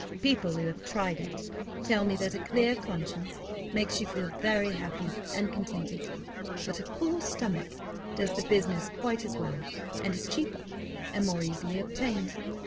People who have tried it, tell me that a clear conscience makes you very happy and contented; but a full stomach does the business quite as well, and is cheaper, and more easily obtained.